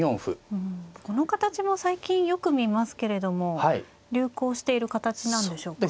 うんこの形も最近よく見ますけれども流行している形なんでしょうか。